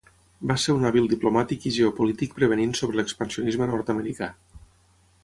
Va ser un hàbil diplomàtic i geopolític prevenint sobre l'expansionisme nord-americà.